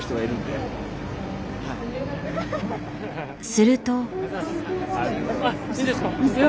すると。